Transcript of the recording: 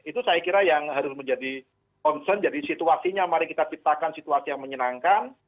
itu saya kira yang harus menjadi concern jadi situasinya mari kita ciptakan situasi yang menyenangkan